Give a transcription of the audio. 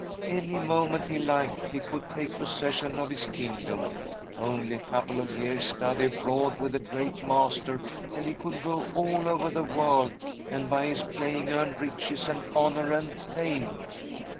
Any mo ment he liked he could take possession of his kingdom. Only a couple of years' study abroad with a g^eat master, and he could go all over the world, and by his playing earn riches and honour and fame.